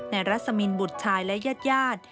ในรัศมิลบุตรชายและญาติยาด